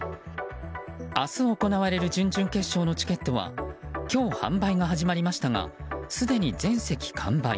明日行われる準々決勝のチケットは今日販売が始まりましたがすでに全席完売。